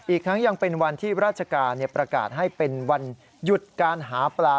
อีกทั้งยังเป็นวันที่ราชการประกาศให้เป็นวันหยุดการหาปลา